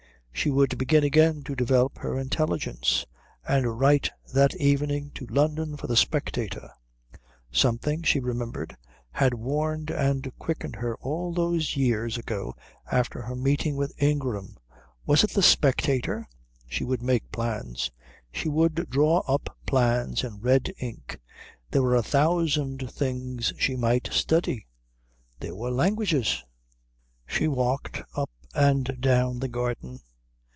She would begin again to develop her intelligence, and write that evening to London for the Spectator. Something, she remembered, had warmed and quickened her all those years ago after her meeting with Ingram was it the Spectator? She would make plans. She would draw up plans in red ink. There were a thousand things she might study. There were languages. She walked up and down the garden.